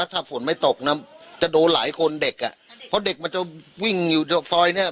ถ้าฝนไม่ตกนะจะโดนหลายคนเด็กอ่ะเพราะเด็กมันจะวิ่งอยู่ตรงซอยเนี้ย